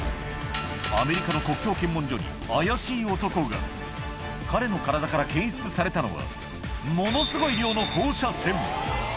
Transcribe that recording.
アメリカの国境検問所に怪しい男が彼の体から検出されたのはものすごい量の放射線